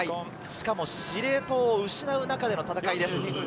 しかも司令塔を失う中での戦いです。